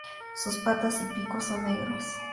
Sus patas y pico son negros.